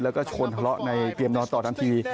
แล้วก็ชนทะเลาะในเกมนอนต่อทันที